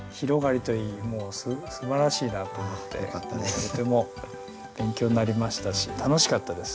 もうすばらしいなと思ってとても勉強になりましたし楽しかったです。